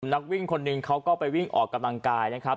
นักวิ่งคนหนึ่งเขาก็ไปวิ่งออกกำลังกายนะครับ